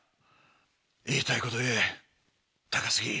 言いたいこと言え高杉。